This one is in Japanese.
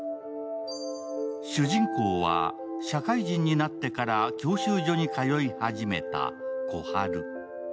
主人公は、社会人になってから教習所に通い始めた小春。